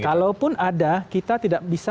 kalaupun ada kita tidak bisa